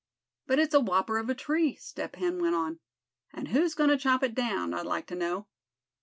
"But it's a whopper of a tree," Step Hen went on; "and who's goin' to chop it down, I'd like to know?"